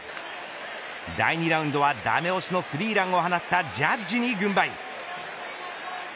第２ラウンドはダメ押しのスリーランを放ったジャッジに軍配。